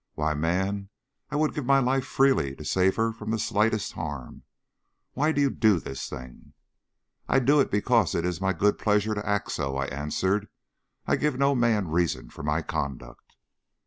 Why, man, I would give my life freely to save her from the slightest harm. Why do you do this thing?" "I do it because it is my good pleasure to act so," I answered. "I give no man reasons for my conduct."